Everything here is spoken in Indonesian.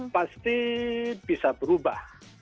pasti bisa berubah